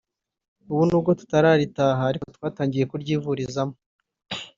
ubu nubwo tutararitaha ariko twatangiye kuryivurizamo